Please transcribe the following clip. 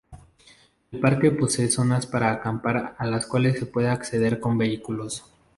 El parque posee zonas para acampar a las cuales se puede acceder con vehículos.